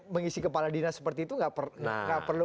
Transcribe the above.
mengisi kepala dinas seperti itu nggak perlu